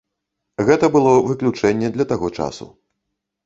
Гэта было выключэнне для таго часу.